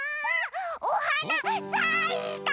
おはなさいた！